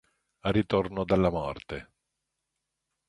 Ritorno dalla morte